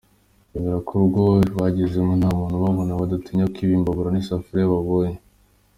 Biyemerera ko urugo bagezemo nta muntu ubabona, badatinya kwiba imbabura n’isafuriya babonye.